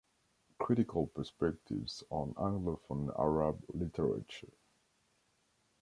Critical Perspectives on Anglophone Arab Literature.